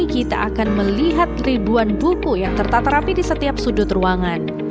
kita akan melihat ribuan buku yang tertata rapi di setiap sudut ruangan